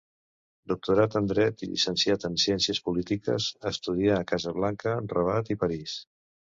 Doctorat en Dret i llicenciat en Ciències Polítiques, estudià a Casablanca, Rabat i París.